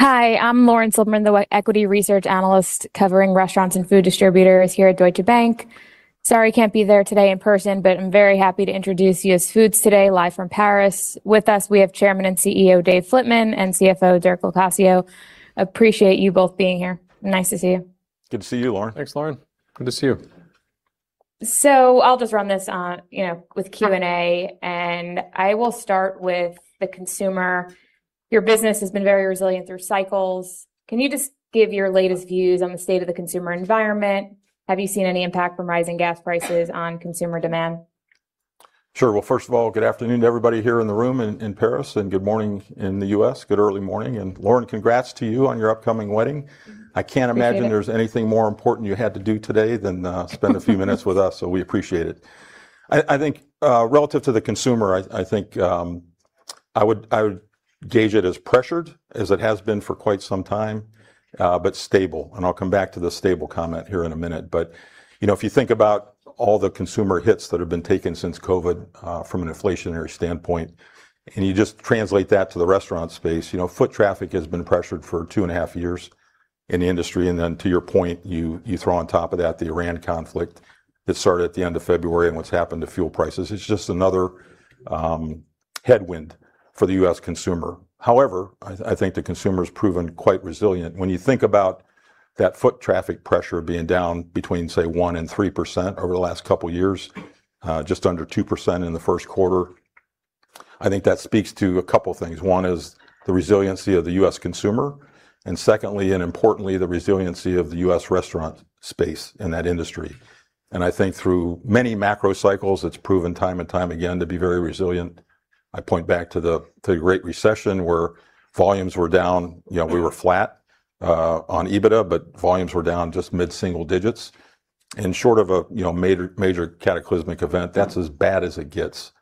Hi, I'm Lauren Silberman, the equity research analyst covering restaurants and food distributors here at Deutsche Bank. Sorry I can't be there today in person. I'm very happy to introduce US Foods today live from Paris. With us, we have Chairman and CEO, Dave Flitman, and CFO, Dirk Locascio. Appreciate you both being here. Nice to see you. Good to see you, Lauren. Thanks, Lauren. Good to see you. I'll just run this with Q&A. I will start with the consumer. Your business has been very resilient through cycles. Can you just give your latest views on the state of the consumer environment? Have you seen any impact from rising gas prices on consumer demand? Sure. Well, first of all, good afternoon to everybody here in the room in Paris, and good morning in the U.S. Good early morning. Lauren, congrats to you on your upcoming wedding. Thank you. I can't imagine there's anything more important you had to do today than spend a few minutes with us, so we appreciate it. I think relative to the consumer, I think I would gauge it as pressured, as it has been for quite some time, but stable. I'll come back to the stable comment here in a minute. If you think about all the consumer hits that have been taken since COVID, from an inflationary standpoint, and you just translate that to the restaurant space, foot traffic has been pressured for 2.5 years in the industry. To your point, you throw on top of that the Iran conflict that started at the end of February, and what's happened to fuel prices. It's just another headwind for the U.S. consumer. However, I think the consumer's proven quite resilient. When you think about that foot traffic pressure being down between, say, 1% and 3% over the last couple of years, just under 2% in the first quarter, I think that speaks to a couple of things. One is the resiliency of the U.S. consumer, secondly and importantly, the resiliency of the U.S. restaurant space in that industry. I think through many macro cycles, it's proven time and time again to be very resilient. I point back to the Great Recession, where volumes were down. We were flat on EBITDA, but volumes were down just mid-single digits. Short of a major cataclysmic event, that's as bad as it gets.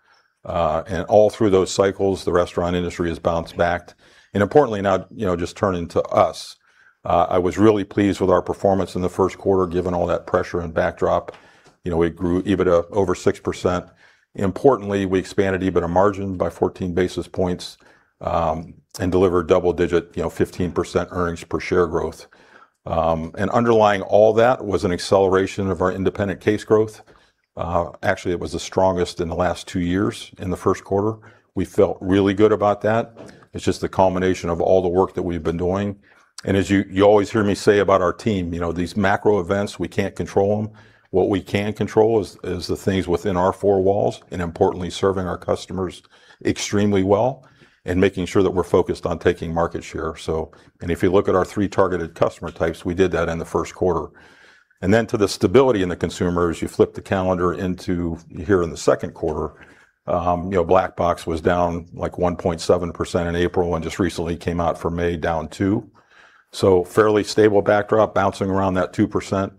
All through those cycles, the restaurant industry has bounced back. Importantly, now just turning to us, I was really pleased with our performance in the first quarter, given all that pressure and backdrop. We grew EBITDA over 6%. Importantly, we expanded EBITDA margin by 14 basis points and delivered double-digit, 15% earnings per share growth. Underlying all that was an acceleration of our independent case growth. Actually, it was the strongest in the last 2 years in the first quarter. We felt really good about that. It's just the culmination of all the work that we've been doing. As you always hear me say about our team, these macro events, we can't control them. What we can control is the things within our four walls, and importantly, serving our customers extremely well and making sure that we're focused on taking market share. If you look at our three targeted customer types, we did that in the first quarter. Then to the stability in the consumer, as you flip the calendar into here in the second quarter, Black Box was down like 1.7% in April and just recently came out for May down 2%. Fairly stable backdrop bouncing around that 2%.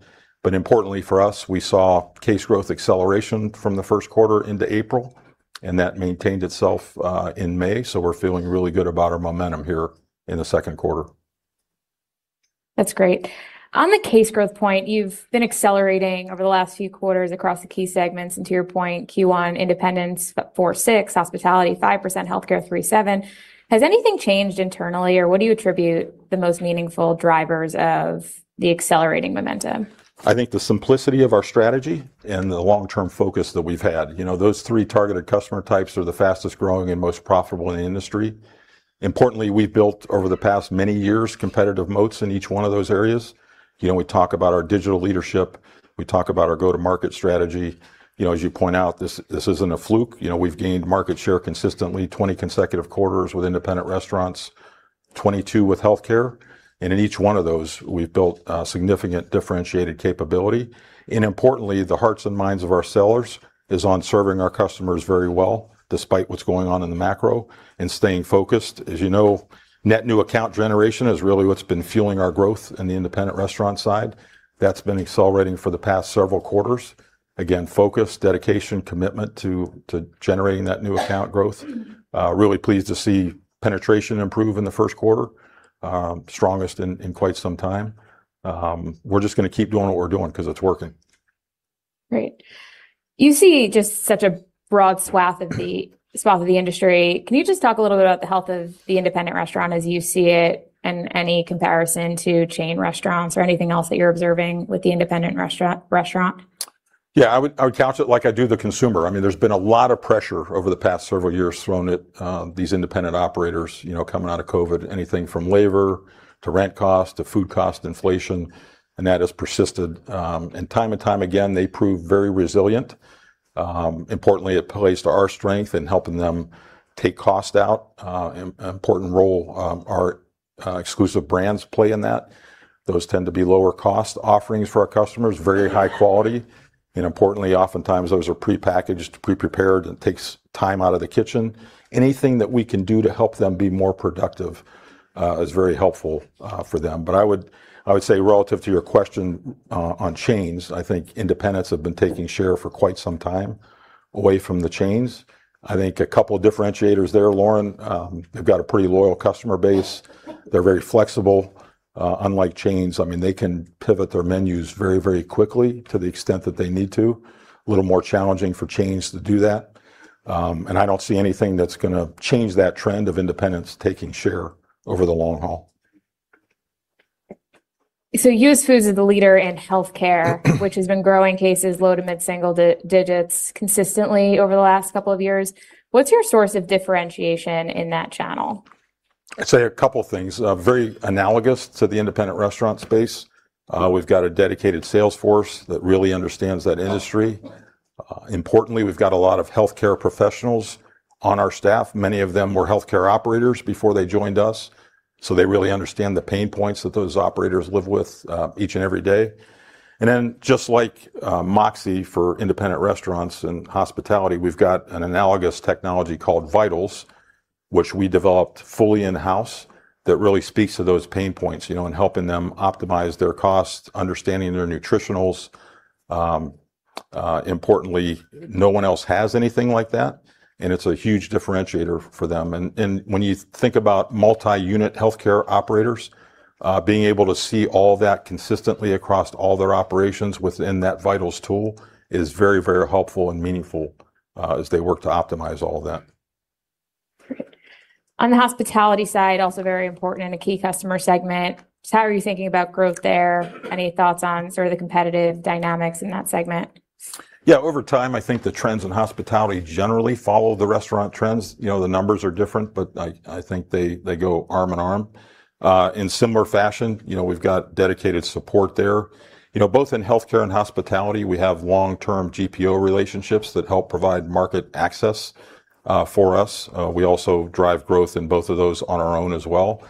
Importantly for us, we saw case growth acceleration from the first quarter into April, and that maintained itself in May. We're feeling really good about our momentum here in the second quarter. That's great. On the case growth point, you've been accelerating over the last few quarters across the key segments. To your point, Q1 independence 4.6%, hospitality 5%, healthcare 3.7%. Has anything changed internally? Or what do you attribute the most meaningful drivers of the accelerating momentum? I think the simplicity of our strategy and the long-term focus that we've had. Those three targeted customer types are the fastest-growing and most profitable in the industry. Importantly, we've built, over the past many years, competitive moats in each one of those areas. We talk about our digital leadership. We talk about our go-to-market strategy. As you point out, this isn't a fluke. We've gained market share consistently 20 consecutive quarters with independent restaurants, 22 with healthcare. In each one of those, we've built a significant differentiated capability. Importantly, the hearts and minds of our sellers is on serving our customers very well, despite what's going on in the macro and staying focused. As you know, net new account generation is really what's been fueling our growth in the independent restaurant side. That's been accelerating for the past several quarters. Focus, dedication, commitment to generating that new account growth. Really pleased to see penetration improve in the first quarter. Strongest in quite some time. We're just going to keep doing what we're doing because it's working. Great. You see just such a broad swath of the industry. Can you just talk a little bit about the health of the independent restaurant as you see it, and any comparison to chain restaurants or anything else that you're observing with the independent restaurant? Yeah, I would couch it like I do the consumer. There's been a lot of pressure over the past several years thrown at these independent operators coming out of COVID. Anything from labor to rent cost to food cost inflation, that has persisted. Time and time again, they prove very resilient. Importantly, it plays to our strength in helping them take cost out. An important role our exclusive brands play in that. Those tend to be lower cost offerings for our customers, very high quality. Importantly, oftentimes those are prepackaged, pre-prepared, and takes time out of the kitchen. Anything that we can do to help them be more productive is very helpful for them. I would say relative to your question on chains, I think independents have been taking share for quite some time away from the chains. I think a couple of differentiators there, Lauren. They've got a pretty loyal customer base. They're very flexible. Unlike chains, they can pivot their menus very quickly to the extent that they need to. A little more challenging for chains to do that. I don't see anything that's going to change that trend of independents taking share over the long haul. US Foods is the leader in healthcare, which has been growing cases low to mid-single digits consistently over the last couple of years. What's your source of differentiation in that channel? I'd say a couple of things. Very analogous to the independent restaurant space. We've got a dedicated sales force that really understands that industry. Importantly, we've got a lot of healthcare professionals on our staff. Many of them were healthcare operators before they joined us. They really understand the pain points that those operators live with each and every day. Just like MOXē for independent restaurants and hospitality, we've got an analogous technology called VITALS, which we developed fully in-house that really speaks to those pain points, and helping them optimize their costs, understanding their nutritionals. Importantly, no one else has anything like that, and it's a huge differentiator for them. When you think about multi-unit healthcare operators, being able to see all that consistently across all their operations within that VITALS tool is very helpful and meaningful as they work to optimize all of that. Great. On the hospitality side, also very important and a key customer segment. How are you thinking about growth there? Any thoughts on the competitive dynamics in that segment? Yeah. Over time, I think the trends in hospitality generally follow the restaurant trends. The numbers are different, but I think they go arm in arm. In similar fashion, we've got dedicated support there. Both in healthcare and hospitality, we have long-term GPO relationships that help provide market access for us. We also drive growth in both of those on our own as well.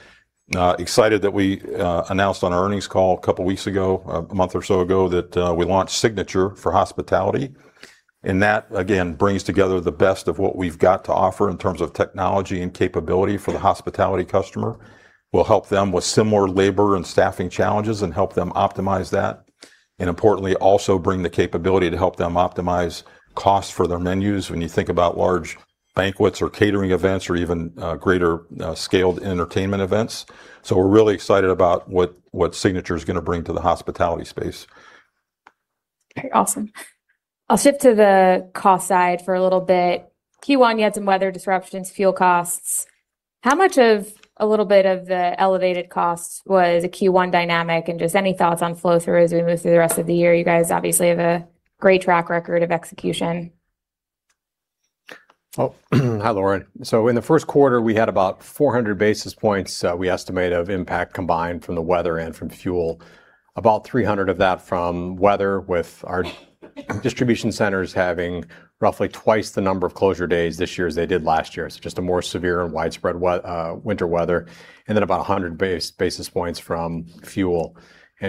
Excited that we announced on our earnings call a couple of weeks ago, a month or so ago, that we launched Signature for Hospitality. That, again, brings together the best of what we've got to offer in terms of technology and capability for the hospitality customer. We'll help them with similar labor and staffing challenges and help them optimize that. Importantly, also bring the capability to help them optimize costs for their menus when you think about large banquets or catering events or even greater scaled entertainment events. We're really excited about what Signature's going to bring to the hospitality space. Okay, awesome. I'll shift to the cost side for a little bit. Q1, you had some weather disruptions, fuel costs. How much of a little bit of the elevated cost was a Q1 dynamic and just any thoughts on flow-through as we move through the rest of the year? You guys obviously have a great track record of execution. Oh, hi, Lauren. In the first quarter, we had about 400 basis points we estimate of impact combined from the weather and from fuel. About 300 basis point of that from weather with our distribution centers having roughly twice the number of closure days this year as they did last year. Just a more severe and widespread winter weather. Then about 100 basis points from fuel.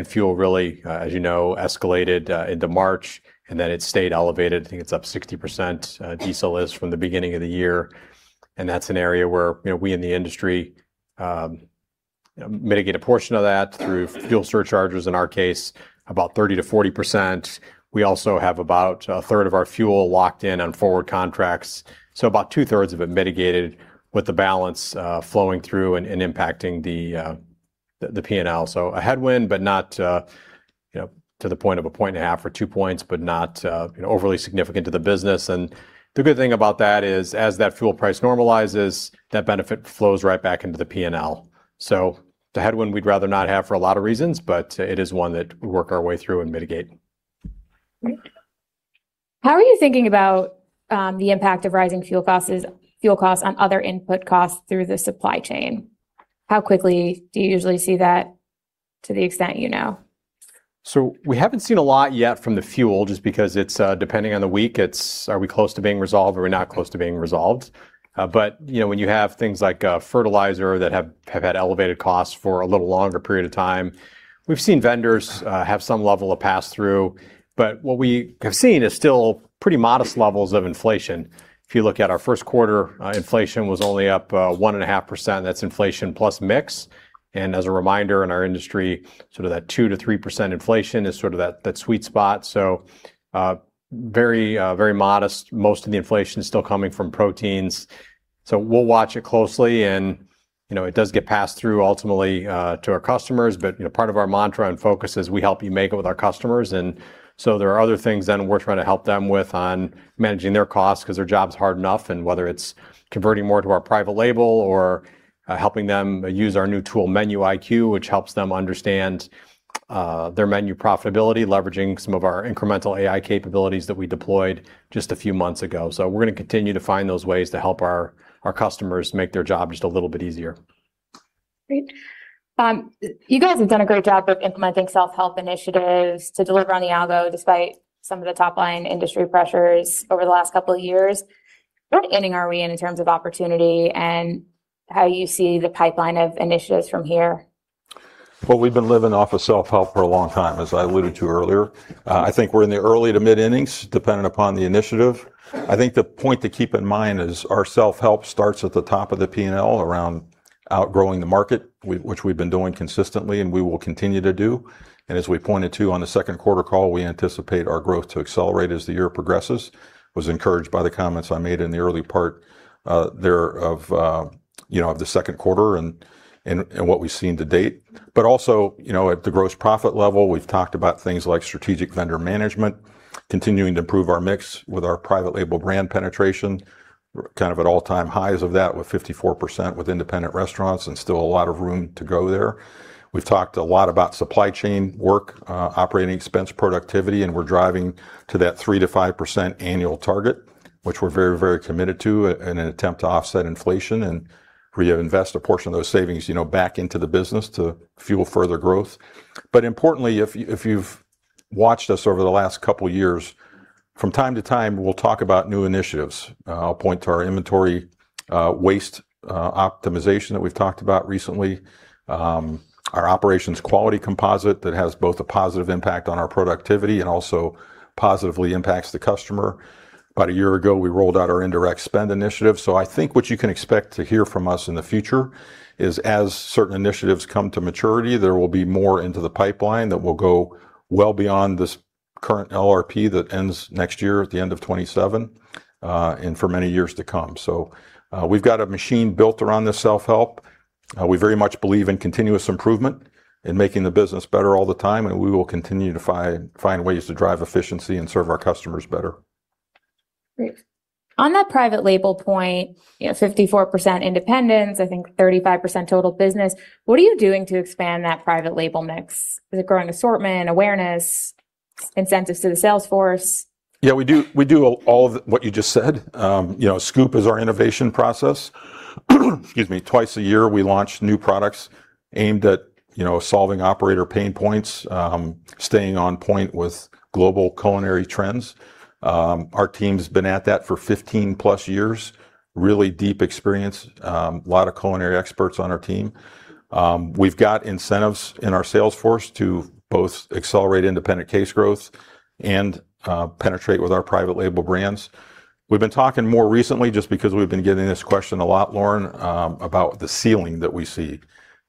Fuel really, as you know, escalated into March, then it stayed elevated. I think it's up 60%, diesel is, from the beginning of the year. That's an area where, we in the industry, mitigate a portion of that through fuel surcharges in our case, about 30%-40%. We also have about a third of our fuel locked in on forward contracts. About two-thirds of it mitigated with the balance flowing through and impacting the P&L. A headwind, but not to the point of a 1.5 points or 2 points, but not overly significant to the business. The good thing about that is as that fuel price normalizes, that benefit flows right back into the P&L. The headwind we'd rather not have for a lot of reasons, but it is one that we work our way through and mitigate. Great. How are you thinking about the impact of rising fuel costs on other input costs through the supply chain? How quickly do you usually see that to the extent you know? We haven't seen a lot yet from the fuel, just because it's, depending on the week, it's are we close to being resolved or are we not close to being resolved? When you have things like fertilizer that have had elevated costs for a little longer period of time, we've seen vendors have some level of pass-through. What we have seen is still pretty modest levels of inflation. If you look at our first quarter, inflation was only up 1.5%. That's inflation plus mix. As a reminder, in our industry, that 2%-3% inflation is that sweet spot. Very modest. Most of the inflation is still coming from proteins. We'll watch it closely and it does get passed through ultimately, to our customers. Part of our mantra and focus is We Help You Make It with our customers. There are other things we're trying to help them with on managing their costs because their job's hard enough. Whether it's converting more to our private label or helping them use our new tool, Menu IQ, which helps them understand their menu profitability, leveraging some of our incremental AI capabilities that we deployed just a few months ago. We're going to continue to find those ways to help our customers make their job just a little bit easier. Great. You guys have done a great job of implementing self-help initiatives to deliver on the algo despite some of the top-line industry pressures over the last couple of years. What inning are we in in terms of opportunity and how you see the pipeline of initiatives from here? Well, we've been living off of self-help for a long time, as I alluded to earlier. I think we're in the early to mid-innings, dependent upon the initiative. I think the point to keep in mind is our self-help starts at the top of the P&L around outgrowing the market, which we've been doing consistently and we will continue to do. As we pointed to on the second quarter call, we anticipate our growth to accelerate as the year progresses. Was encouraged by the comments I made in the early part there of the second quarter and what we've seen to date. Also, at the gross profit level, we've talked about things like strategic vendor management, continuing to improve our mix with our private label brand penetration, kind of at all-time highs of that with 54% with independent restaurants and still a lot of room to go there. We've talked a lot about supply chain work, operating expense productivity, and we're driving to that 3%-5% annual target, which we're very committed to in an attempt to offset inflation and reinvest a portion of those savings back into the business to fuel further growth. Importantly, if you've watched us over the last couple of years, from time to time, we'll talk about new initiatives. I'll point to our inventory waste optimization that we've talked about recently. Our operations quality composite that has both a positive impact on our productivity and also positively impacts the customer. About a year ago, we rolled out our indirect spend initiative. I think what you can expect to hear from us in the future is as certain initiatives come to maturity, there will be more into the pipeline that will go well beyond this current LRP that ends next year at the end of 2027, and for many years to come. We've got a machine built around this self-help. We very much believe in continuous improvement and making the business better all the time. We will continue to find ways to drive efficiency and serve our customers better. Great. On that private label point, 54% independents, I think 35% total business. What are you doing to expand that private label mix? Is it growing assortment, awareness, incentives to the sales force? Yeah, we do all of what you just said. SCOOP is our innovation process. Excuse me. Twice a year, we launch new products aimed at solving operator pain points, staying on point with global culinary trends. Our team's been at that for 15+ years, really deep experience, a lot of culinary experts on our team. We've got incentives in our sales force to both accelerate independent case growth and penetrate with our private label brands. We've been talking more recently, just because we've been getting this question a lot, Lauren, about the ceiling that we see.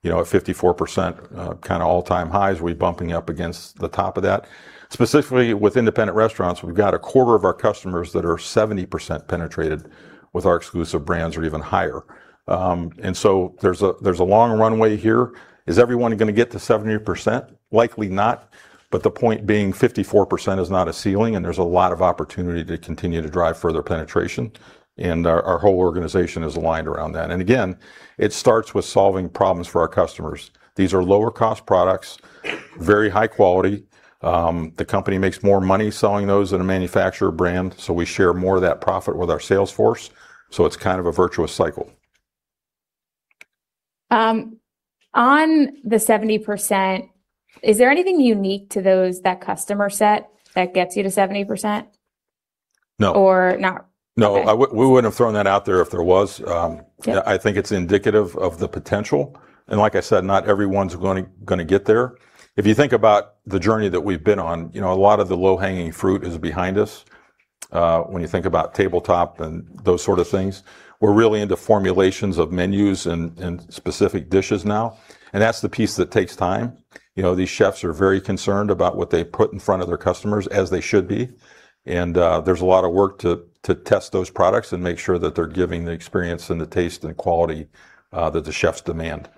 At 54%, kind of all-time highs, are we bumping up against the top of that? Specifically with independent restaurants, we've got a quarter of our customers that are 70% penetrated with our exclusive brands or even higher. There's a long runway here. Is everyone going to get to 70%? Likely not. The point being 54% is not a ceiling, and there's a lot of opportunity to continue to drive further penetration. Our whole organization is aligned around that. Again, it starts with solving problems for our customers. These are lower cost products, very high quality. The company makes more money selling those than a manufacturer brand, so we share more of that profit with our sales force. It's kind of a virtuous cycle. On the 70%, is there anything unique to that customer set that gets you to 70%? No. Not. Okay. No. We wouldn't have thrown that out there if there was. I think it's indicative of the potential. Like I said, not everyone's going to get there. If you think about the journey that we've been on, a lot of the low-hanging fruit is behind us. When you think about tabletop and those sorts of things, we're really into formulations of menus and specific dishes now, and that's the piece that takes time. These chefs are very concerned about what they put in front of their customers, as they should be. There's a lot of work to test those products and make sure that they're giving the experience and the taste and quality that the chefs demand.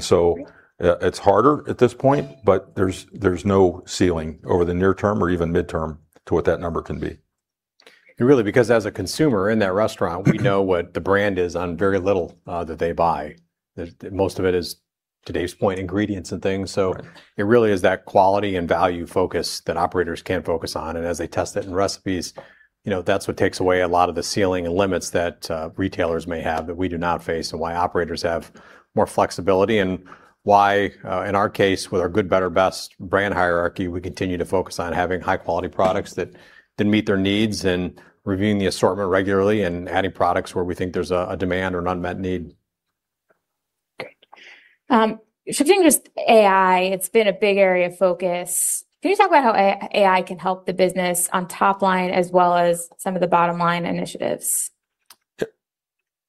So, it's harder at this point, but there's no ceiling over the near term or even midterm to what that number can be. Really, because as a consumer in that restaurant, we know what the brand is on very little that they buy. Most of it is, today's point, ingredients and things. It really is that quality and value focus that operators can focus on. As they test it in recipes, that's what takes away a lot of the ceiling and limits that retailers may have that we do not face and why operators have more flexibility and why, in our case, with our good, better, best brand hierarchy, we continue to focus on having high quality products that meet their needs and reviewing the assortment regularly and adding products where we think there's a demand or an unmet need. Good. Shifting to just AI, it's been a big area of focus. Can you talk about how AI can help the business on top line as well as some of the bottom-line initiatives?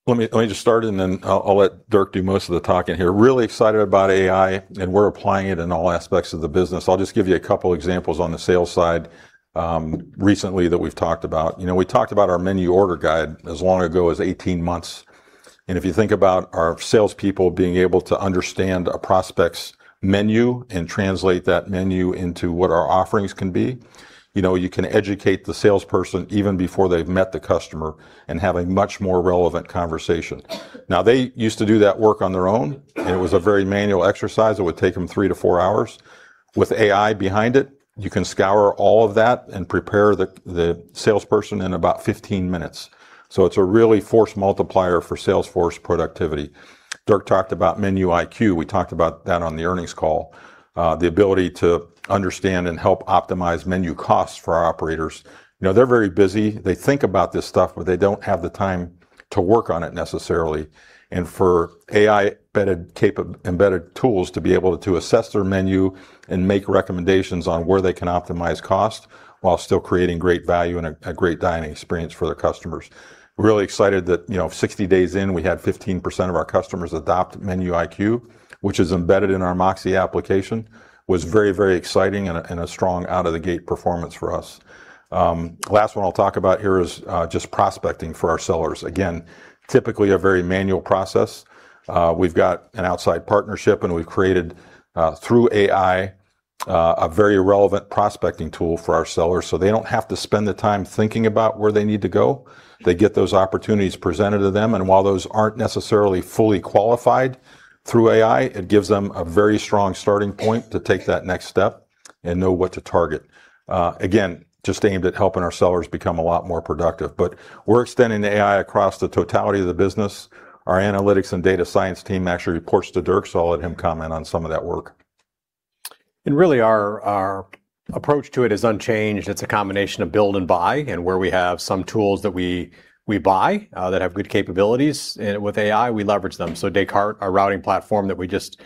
Let me just start, then I'll let Dirk do most of the talking here. Really excited about AI, and we're applying it in all aspects of the business. I'll just give you a couple examples on the sales side recently that we've talked about. We talked about our menu order guide as long ago as 18 months. If you think about our salespeople being able to understand a prospect's menu and translate that menu into what our offerings can be. You can educate the salesperson even before they've met the customer and have a much more relevant conversation. Now, they used to do that work on their own. It was a very manual exercise. It would take them 3 hours to 4 hours. With AI behind it, you can scour all of that and prepare the salesperson in about 15 minutes. It's really a force multiplier for sales force productivity. Dirk talked about Menu IQ. We talked about that on the earnings call. The ability to understand and help optimize menu costs for our operators. They're very busy. They think about this stuff, but they don't have the time to work on it necessarily. For AI-embedded tools to be able to assess their menu and make recommendations on where they can optimize cost while still creating great value and a great dining experience for their customers. Really excited that 60 days in, we had 15% of our customers adopt Menu IQ, which is embedded in our MOXē application. It was very exciting and a strong out of the gate performance for us. Last one I'll talk about here is just prospecting for our sellers. Again, typically a very manual process. We've got an outside partnership, we've created, through AI a very relevant prospecting tool for our sellers so they don't have to spend the time thinking about where they need to go. They get those opportunities presented to them, while those aren't necessarily fully qualified through AI, it gives them a very strong starting point to take that next step and know what to target. Again, just aimed at helping our sellers become a lot more productive. We're extending the AI across the totality of the business. Our analytics and data science team actually reports to Dirk, I'll let him comment on some of that work. Really our approach to it is unchanged. It's a combination of build and buy, and where we have some tools that we buy that have good capabilities with AI, we leverage them. Descartes, our routing platform that we just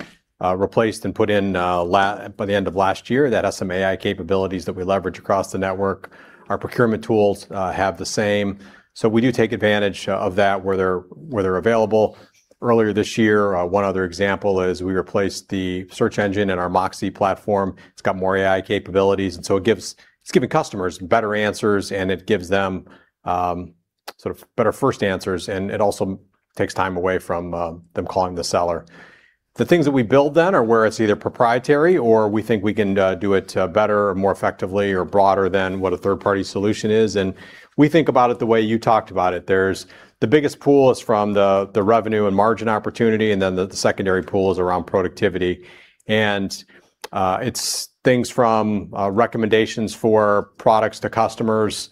replaced and put in by the end of last year, that has some AI capabilities that we leverage across the network. Our procurement tools have the same. We do take advantage of that where they're available. Earlier this year, one other example is we replaced the search engine in our MOXē platform. It's got more AI capabilities, it's giving customers better answers, and it gives them sort of better first answers, and it also takes time away from them calling the seller. The things that we build then are where it's either proprietary or we think we can do it better or more effectively or broader than what a third-party solution is, and we think about it the way you talked about it. The biggest pool is from the revenue and margin opportunity, and then the secondary pool is around productivity. It's things from recommendations for products to customers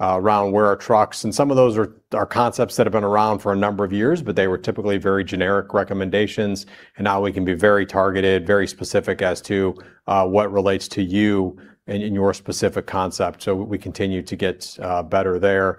around where are trucks, and some of those are concepts that have been around for a number of years, but they were typically very generic recommendations, and now we can be very targeted, very specific as to what relates to you and in your specific concept. We continue to get better there.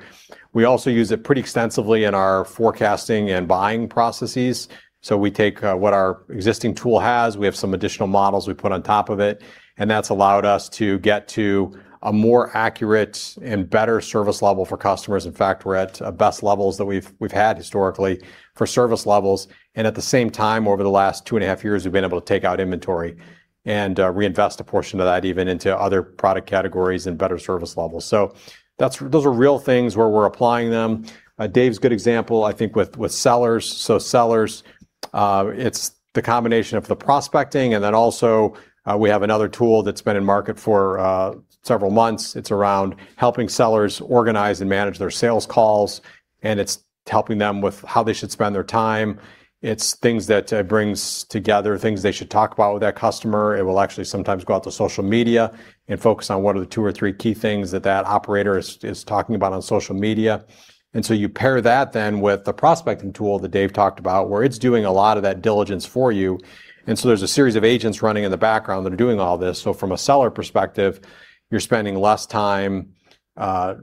We also use it pretty extensively in our forecasting and buying processes. We take what our existing tool has, we have some additional models we put on top of it, and that's allowed us to get to a more accurate and better service level for customers. In fact, we're at best levels that we've had historically for service levels. At the same time, over the last 2.5 years, we've been able to take out inventory and reinvest a portion of that even into other product categories and better service levels. Those are real things where we're applying them. Dave's good example, I think with sellers. Sellers, it's the combination of the prospecting and then also we have another tool that's been in market for several months. It's around helping sellers organize and manage their sales calls, and it's helping them with how they should spend their time. It's things that it brings together, things they should talk about with that customer. It will actually sometimes go out to social media and focus on what are the two or three key things that that operator is talking about on social media. You pair that then with the prospecting tool that Dave talked about, where it's doing a lot of that diligence for you. There's a series of agents running in the background that are doing all this. From a seller perspective, you're spending less time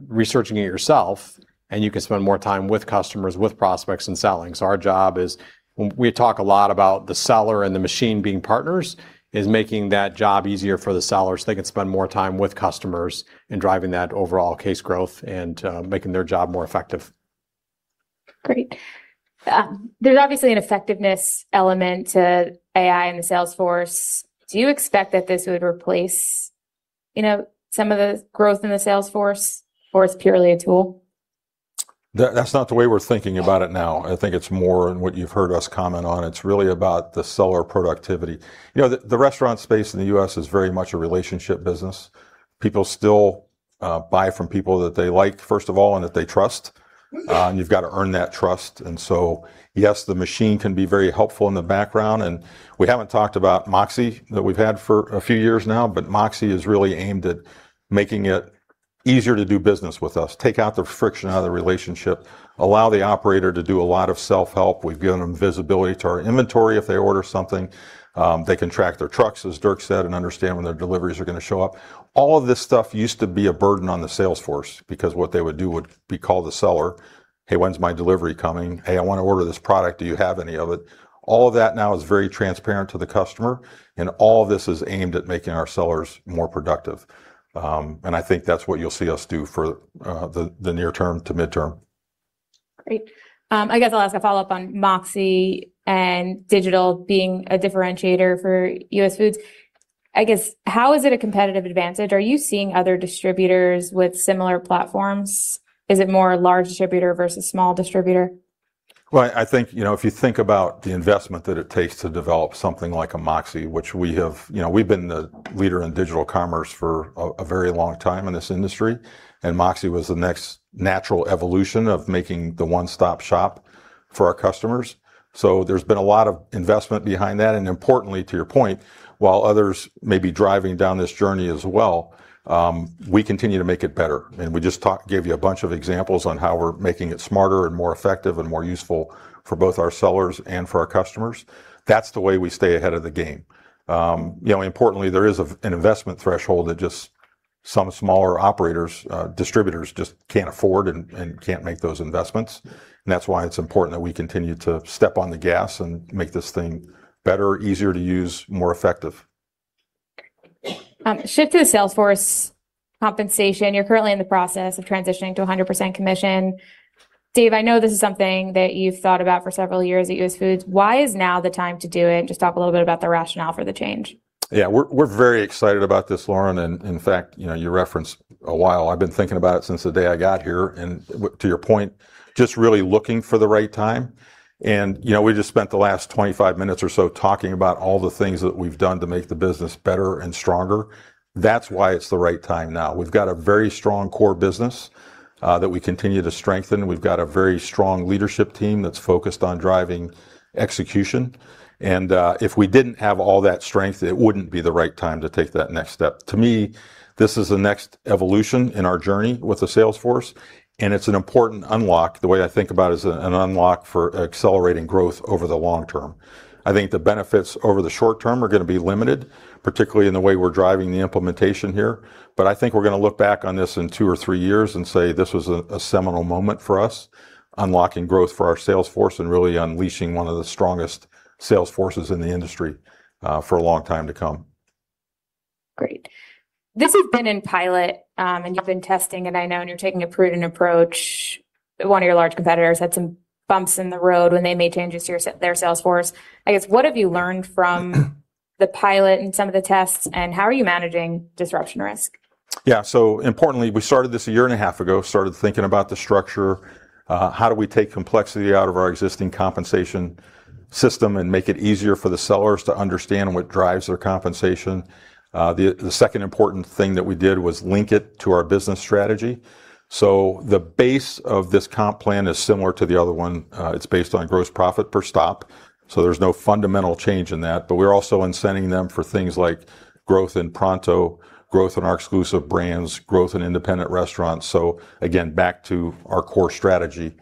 researching it yourself, and you can spend more time with customers, with prospects, and selling. Our job is, we talk a lot about the seller and the machine being partners, is making that job easier for the sellers. They can spend more time with customers and driving that overall case growth and making their job more effective. Great. There's obviously an effectiveness element to AI in the sales force. Do you expect that this would replace some of the growth in the sales force, or it's purely a tool? That's not the way we're thinking about it now. I think it's more, what you've heard us comment on, it's really about the seller productivity. The restaurant space in the U.S. is very much a relationship business. People still buy from people that they like, first of all, that they trust, you've got to earn that trust. Yes, the machine can be very helpful in the background, we haven't talked about MOXē that we've had for a few years now. MOXē is really aimed at making it easier to do business with us, take out the friction out of the relationship, allow the operator to do a lot of self-help. We've given them visibility to our inventory if they order something. They can track their trucks, as Dirk said, understand when their deliveries are going to show up. All of this stuff used to be a burden on the sales force because what they would do would be call the seller, "Hey, when's my delivery coming? Hey, I want to order this product. Do you have any of it?" All of that now is very transparent to the customer. All of this is aimed at making our sellers more productive. I think that's what you'll see us do for the near term to midterm. Great. I guess I'll ask a follow-up on MOXē and digital being a differentiator for US Foods. I guess, how is it a competitive advantage? Are you seeing other distributors with similar platforms? Is it more a large distributor versus small distributor? I think if you think about the investment that it takes to develop something like a MOXē, which we've been the leader in digital commerce for a very long time in this industry, MOXē was the next natural evolution of making the one-stop shop for our customers. There's been a lot of investment behind that, importantly to your point, while others may be driving down this journey as well, we continue to make it better. We just gave you a bunch of examples on how we're making it smarter and more effective and more useful for both our sellers and for our customers. That's the way we stay ahead of the game. Importantly, there is an investment threshold that just some smaller operators, distributors just can't afford and can't make those investments. That's why it's important that we continue to step on the gas and make this thing better, easier to use, more effective. Shift to the sales force compensation. You're currently in the process of transitioning to 100% commission. Dave, I know this is something that you've thought about for several years at US Foods. Why is now the time to do it? Just talk a little bit about the rationale for the change. Yeah. We're very excited about this, Lauren. In fact, you referenced a while. I've been thinking about it since the day I got here. To your point, just really looking for the right time. We just spent the last 25 minutes or so talking about all the things that we've done to make the business better and stronger. That's why it's the right time now. We've got a very strong core business that we continue to strengthen. We've got a very strong leadership team that's focused on driving execution. If we didn't have all that strength, it wouldn't be the right time to take that next step. To me, this is the next evolution in our journey with the sales force. It's an important unlock. The way I think about it is an unlock for accelerating growth over the long term. I think the benefits over the short term are going to be limited, particularly in the way we're driving the implementation here. I think we're going to look back on this in 2 or 3 years and say, "This was a seminal moment for us," unlocking growth for our sales force and really unleashing one of the strongest sales forces in the industry for a long time to come. Great. This has been in pilot, and you've been testing it. I know you're taking a prudent approach. One of your large competitors had some bumps in the road when they made changes to their sales force. I guess, what have you learned from the pilot and some of the tests, and how are you managing disruption risk? Importantly, we started this a year and a half ago, started thinking about the structure. How do we take complexity out of our existing compensation system and make it easier for the sellers to understand what drives their compensation? The second important thing that we did was link it to our business strategy. The base of this comp plan is similar to the other one. It's based on gross profit per stop, so there's no fundamental change in that. We're also incenting them for things like growth in Pronto, growth in our exclusive brands, growth in independent restaurants. Again, back to our core strategy.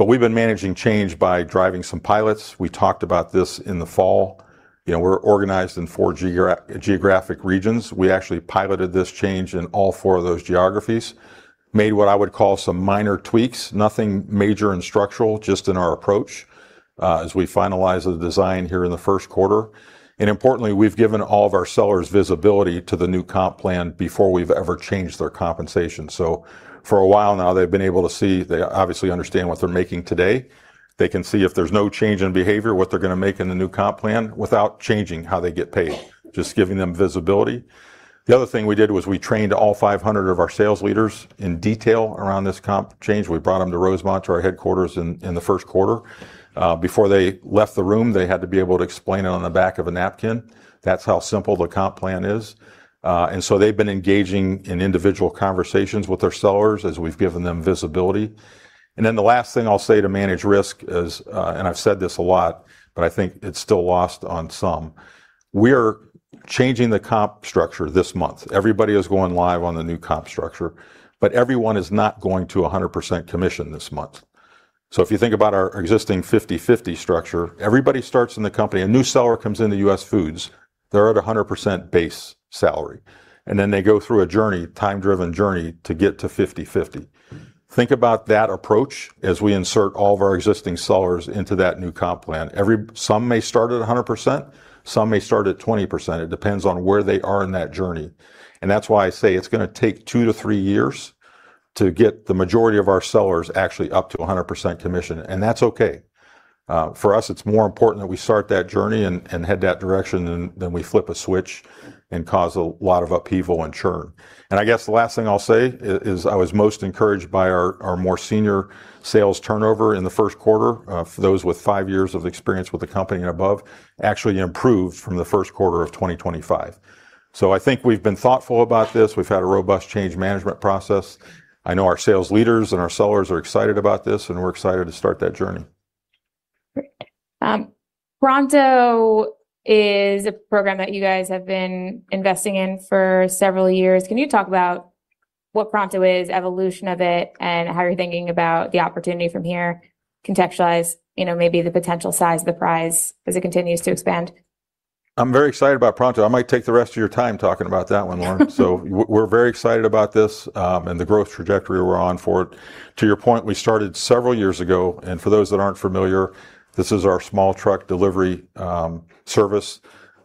We've been managing change by driving some pilots. We talked about this in the fall. We're organized in four geographic regions. We actually piloted this change in all four of those geographies. Made what I would call some minor tweaks. Nothing major and structural, just in our approach as we finalize the design here in the first quarter. Importantly, we've given all of our sellers visibility to the new comp plan before we've ever changed their compensation. For a while now, they've been able to see, they obviously understand what they're making today. They can see if there's no change in behavior, what they're going to make in the new comp plan without changing how they get paid, just giving them visibility. The other thing we did was we trained all 500 of our sales leaders in detail around this comp change. We brought them to Rosemont, to our headquarters in the first quarter. Before they left the room, they had to be able to explain it on the back of a napkin. That's how simple the comp plan is. They've been engaging in individual conversations with their sellers as we've given them visibility. The last thing I'll say to manage risk is, and I've said this a lot, but I think it's still lost on some. We're changing the comp structure this month. Everybody is going live on the new comp structure, but everyone is not going to 100% commission this month. If you think about our existing 50/50 structure, everybody starts in the company. A new seller comes into US Foods, they're at 100% base salary, and then they go through a time-driven journey to get to 50/50. Think about that approach as we insert all of our existing sellers into that new comp plan. Some may start at 100%, some may start at 20%. It depends on where they are in that journey. That's why I say it's going to take 2 years to 3 years to get the majority of our sellers actually up to 100% commission, and that's okay. For us, it's more important that we start that journey and head that direction than we flip a switch and cause a lot of upheaval and churn. I guess the last thing I'll say is I was most encouraged by our more senior sales turnover in the first quarter. For those with 5 years of experience with the company and above actually improved from the first quarter of 2025. I think we've been thoughtful about this. We've had a robust change management process. I know our sales leaders and our sellers are excited about this, and we're excited to start that journey. Great. Pronto is a program that you guys have been investing in for several years. Can you talk about what Pronto is, evolution of it, and how you're thinking about the opportunity from here, contextualize maybe the potential size of the prize as it continues to expand? I'm very excited about Pronto. I might take the rest of your time talking about that one, Lauren. We're very excited about this, and the growth trajectory we're on for it. To your point, we started several years ago, and for those that aren't familiar, this is our small truck delivery service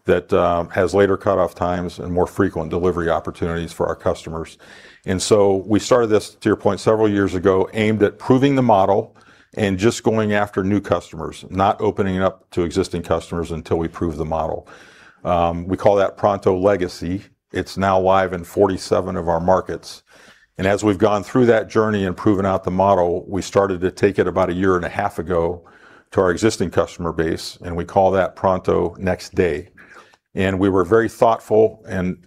that has later cutoff times and more frequent delivery opportunities for our customers. We started this, to your point, several years ago, aimed at proving the model and just going after new customers, not opening it up to existing customers until we prove the model. We call that Pronto Legacy. It's now live in 47 of our markets. As we've gone through that journey and proven out the model, we started to take it about 1.5 years ago to our existing customer base, and we call that Pronto Next Day. We were very thoughtful and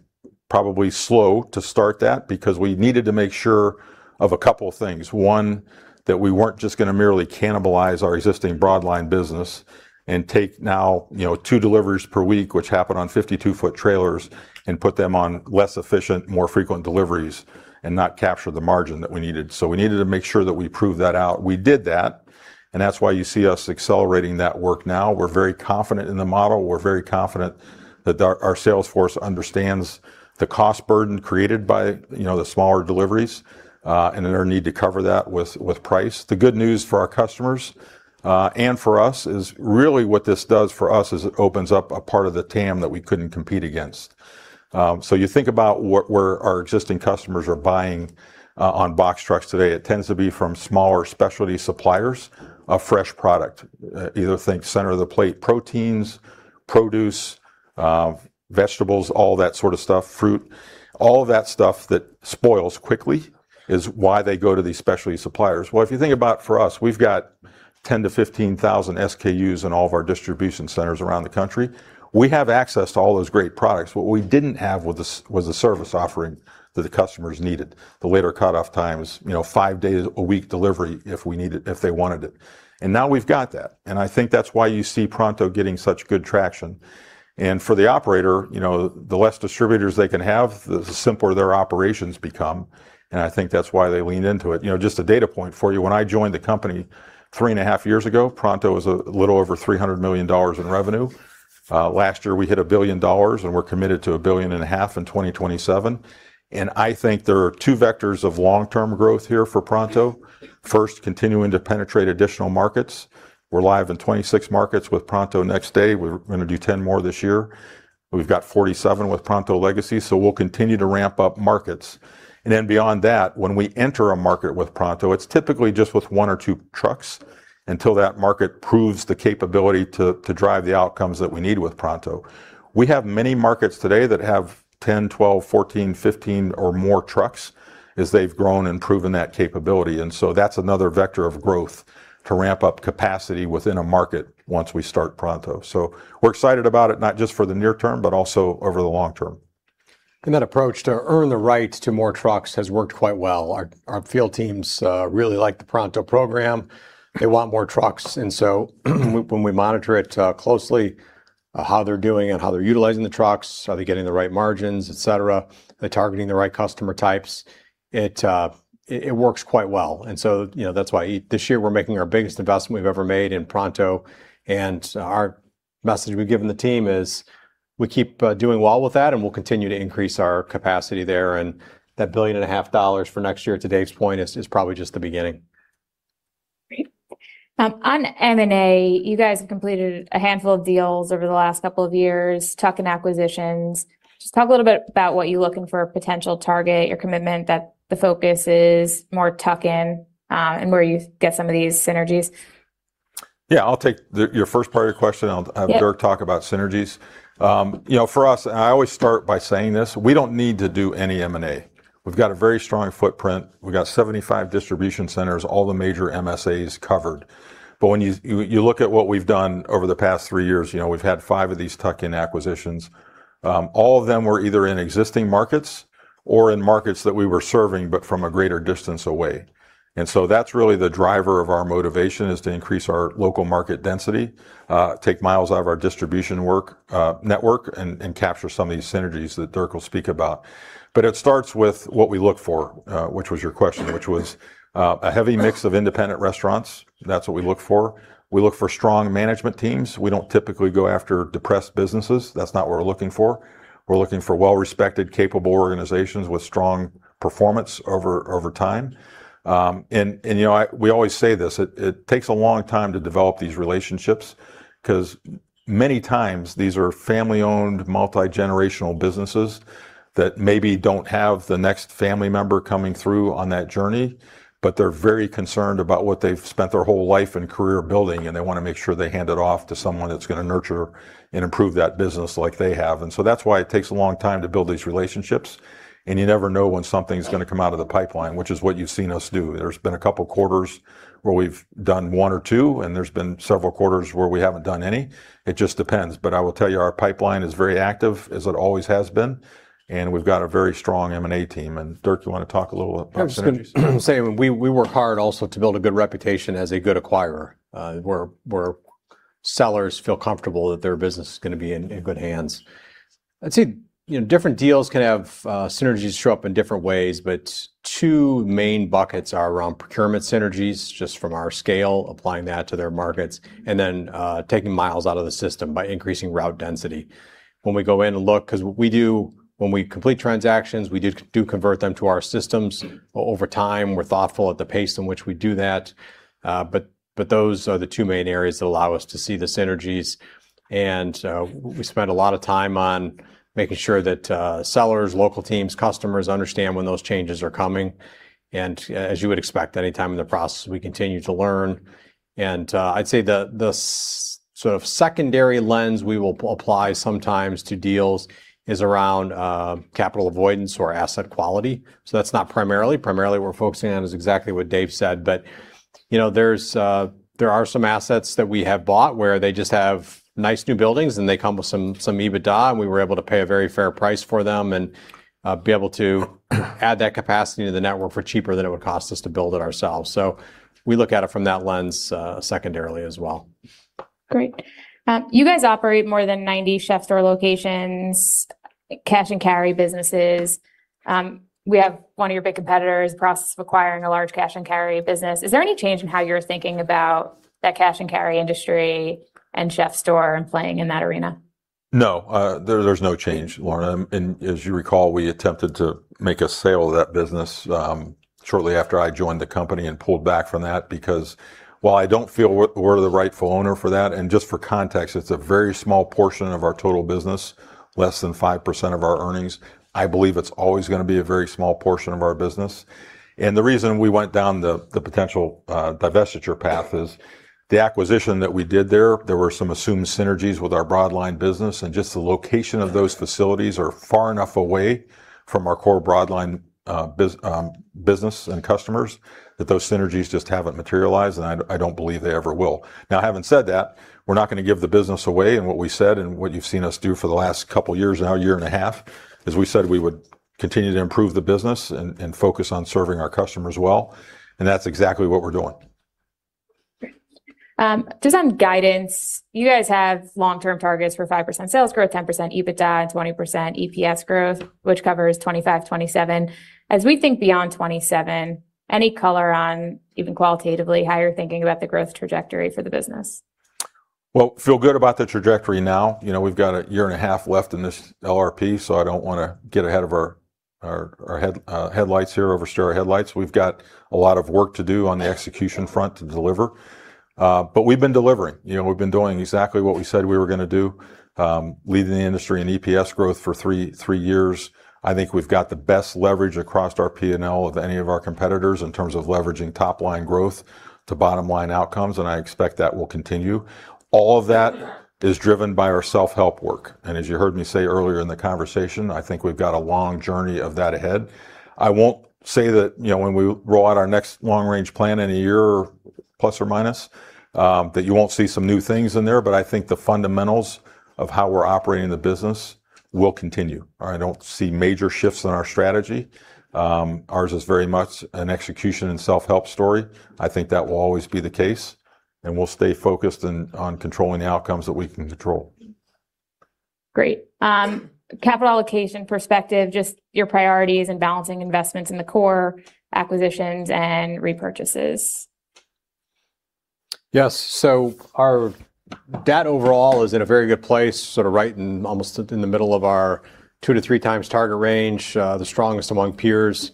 probably slow to start that because we needed to make sure of a couple things. One, that we weren't just going to merely cannibalize our existing broadline business and take now two deliveries per week, which happen on 52-foot trailers, and put them on less efficient, more frequent deliveries and not capture the margin that we needed. We needed to make sure that we proved that out. We did that, and that's why you see us accelerating that work now. We're very confident in the model. We're very confident that our sales force understands the cost burden created by the smaller deliveries, and their need to cover that with price. The good news for our customers, and for us is really what this does for us is it opens up a part of the TAM that we couldn't compete against. You think about where our existing customers are buying on box trucks today, it tends to be from smaller specialty suppliers of fresh product. Either think center of the plate proteins, produce vegetables, all that sort of stuff, fruit. All of that stuff that spoils quickly is why they go to these specialty suppliers. If you think about for us, we've got 10,000-15,000 SKUs in all of our distribution centers around the country. We have access to all those great products. What we didn't have was the service offering that the customers needed, the later cutoff times, 5 days a week delivery if they wanted it. Now we've got that, and I think that's why you see Pronto getting such good traction. For the operator, the less distributors they can have, the simpler their operations become, and I think that's why they lean into it. Just a data point for you. When I joined the company 3.5 years ago, Pronto was a little over $300 million in revenue. Last year, we hit $1 billion, and we're committed to $1.5 billion in 2027. I think there are two vectors of long-term growth here for Pronto. First, continuing to penetrate additional markets. We're live in 26 markets with Pronto Next Day. We're going to do 10 more this year. We've got 47 with Pronto Legacy, we'll continue to ramp up markets. Beyond that, when we enter a market with Pronto, it's typically just with 1 or 2 trucks until that market proves the capability to drive the outcomes that we need with Pronto. We have many markets today that have 10, 12, 14, 15, or more trucks as they've grown and proven that capability. That's another vector of growth to ramp up capacity within a market once we start Pronto. We're excited about it, not just for the near term, but also over the long term. That approach to earn the right to more trucks has worked quite well. Our field teams really like the Pronto program. They want more trucks, and so when we monitor it closely, how they're doing and how they're utilizing the trucks, are they getting the right margins, et cetera. Are they targeting the right customer types? It works quite well, and so that's why this year we're making our biggest investment we've ever made in Pronto. Our message we've given the team is we keep doing well with that, and we'll continue to increase our capacity there and that $1.5 billion for next year, to Dave's point, is probably just the beginning. Great. On M&A, you guys have completed a handful of deals over the last couple of years, tuck-in acquisitions. Talk a little bit about what you look in for a potential target, your commitment that the focus is more tuck-in, and where you get some of these synergies? Yeah, I'll take your first part of your question. Yeah I'll have Dirk talk about synergies. For us, I always start by saying this, we don't need to do any M&A. We've got a very strong footprint. We've got 75 distribution centers, all the major MSAs covered. When you look at what we've done over the past 3 years, we've had five of these tuck-in acquisitions. All of them were either in existing markets or in markets that we were serving, but from a greater distance away. That's really the driver of our motivation is to increase our local market density, take miles out of our distribution network, and capture some of these synergies that Dirk will speak about. It starts with what we look for, which was your question, which was a heavy mix of independent restaurants. That's what we look for. We look for strong management teams. We don't typically go after depressed businesses. That's not what we're looking for. We're looking for well-respected, capable organizations with strong performance over time. We always say this. It takes a long time to develop these relationships because many times these are family-owned, multi-generational businesses that maybe don't have the next family member coming through on that journey, but they're very concerned about what they've spent their whole life and career building, and they want to make sure they hand it off to someone that's going to nurture and improve that business like they have. That's why it takes a long time to build these relationships. You never know when something's going to come out of the pipeline, which is what you've seen us do. There's been a couple quarters where we've done one or two, and there's been several quarters where we haven't done any. It just depends. I will tell you, our pipeline is very active, as it always has been, and we've got a very strong M&A team. Dirk, you want to talk a little about synergies? I was just going to say, we work hard also to build a good reputation as a good acquirer, where sellers feel comfortable that their business is going to be in good hands. I'd say different deals can have synergies show up in different ways, but two main buckets are around procurement synergies, just from our scale, applying that to their markets, and then taking miles out of the system by increasing route density. When we go in and look, because when we complete transactions, we do convert them to our systems over time. We're thoughtful at the pace in which we do that. Those are the two main areas that allow us to see the synergies. We spend a lot of time on making sure that sellers, local teams, customers understand when those changes are coming. As you would expect, any time in the process, we continue to learn. I'd say the sort of secondary lens we will apply sometimes to deals is around capital avoidance or asset quality. That's not primarily. Primarily, what we're focusing on is exactly what Dave said. There are some assets that we have bought where they just have nice new buildings, and they come with some EBITDA, and we were able to pay a very fair price for them and be able to add that capacity to the network for cheaper than it would cost us to build it ourselves. We look at it from that lens secondarily as well. Great. You guys operate more than 90 CHEF'STORE locations, cash and carry businesses. We have one of your big competitors in the process of acquiring a large cash and carry business. Is there any change in how you're thinking about that cash and carry industry and CHEF'STORE and playing in that arena? No. There's no change, Lauren. As you recall, we attempted to make a sale of that business shortly after I joined the company and pulled back from that because while I don't feel we're the rightful owner for that, and just for context, it's a very small portion of our total business. Less than 5% of our earnings. I believe it's always going to be a very small portion of our business. The reason we went down the potential divestiture path is the acquisition that we did there were some assumed synergies with our broadline business, and just the location of those facilities are far enough away from our core broadline business and customers that those synergies just haven't materialized, and I don't believe they ever will. Now, having said that, we're not going to give the business away, and what we said and what you've seen us do for the last couple years, now 1.5 years, is we said we would continue to improve the business and focus on serving our customers well, and that's exactly what we're doing. Just on guidance, you guys have long-term targets for 5% sales growth, 10% EBITDA, and 20% EPS growth, which covers 2025-2027. As we think beyond 2027, any color on, even qualitatively, how you're thinking about the growth trajectory for the business? Feel good about the trajectory now. We've got 1.5 years left in this LRP. I don't want to get ahead of our headlights here, oversteer our headlights. We've got a lot of work to do on the execution front to deliver. We've been delivering. We've been doing exactly what we said we were going to do, leading the industry in EPS growth for 3 years. I think we've got the best leverage across our P&L of any of our competitors in terms of leveraging top-line growth to bottom-line outcomes, and I expect that will continue. All of that is driven by our self-help work. As you heard me say earlier in the conversation, I think we've got a long journey of that ahead. I won't say that when we roll out our next long-range plan in a year plus or minus, that you won't see some new things in there, but I think the fundamentals of how we're operating the business will continue. I don't see major shifts in our strategy. Ours is very much an execution and self-help story. I think that will always be the case, and we'll stay focused on controlling the outcomes that we can control. Great. Capital allocation perspective, just your priorities and balancing investments in the core acquisitions and repurchases? Yes. Our debt overall is in a very good place, sort of right in almost in the middle of our 2x-3x target range, the strongest among peers.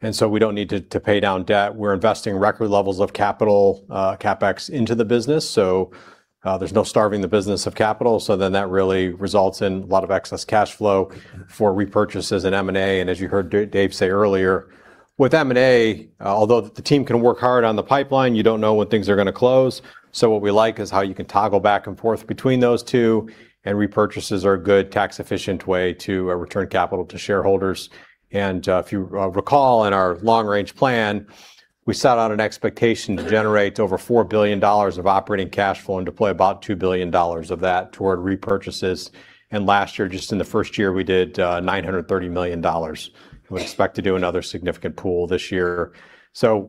We don't need to pay down debt. We're investing record levels of capital, CapEx, into the business. There's no starving the business of capital, so then that really results in a lot of excess cash flow for repurchases and M&A. As you heard Dave say earlier, with M&A, although the team can work hard on the pipeline, you don't know when things are going to close. What we like is how you can toggle back and forth between those two, and repurchases are a good, tax-efficient way to return capital to shareholders. If you recall, in our long-range plan, we set out an expectation to generate over $4 billion of operating cash flow and deploy about $2 billion of that toward repurchases. Last year, just in the first year, we did $930 million. We expect to do another significant pool this year.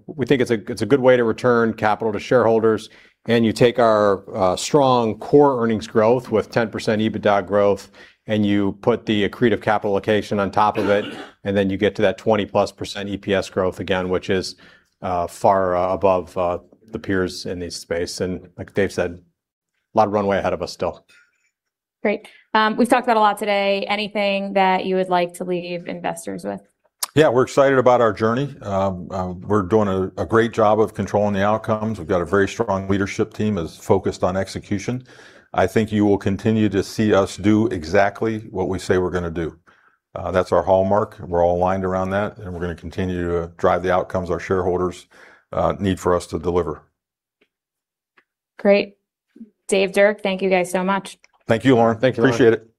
We think it's a good way to return capital to shareholders. You take our strong core earnings growth with 10% EBITDA growth, and you put the accretive capital allocation on top of it, and then you get to that 20%+ EPS growth again, which is far above the peers in this space. Like Dave said, a lot of runway ahead of us still. Great. We've talked about a lot today. Anything that you would like to leave investors with? Yeah. We're excited about our journey. We're doing a great job of controlling the outcomes. We've got a very strong leadership team that's focused on execution. I think you will continue to see us do exactly what we say we're going to do. That's our hallmark. We're all aligned around that, and we're going to continue to drive the outcomes our shareholders need for us to deliver. Great. Dave, Dirk, thank you guys so much. Thank you, Lauren. Thank you, Lauren. Appreciate it.